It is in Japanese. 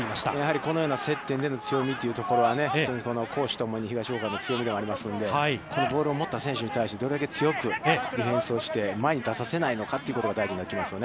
このような接点での強みは、非常に攻守ともに東福岡の強みがありますので、ボールを持った選手に対してどれだけ強くディフェンスをして、前に出させないのかが大事ですね。